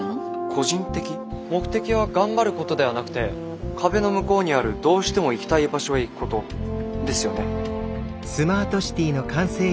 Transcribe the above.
目的は頑張ることではなくて壁の向こうにあるどうしても行きたい場所へ行くことですよね。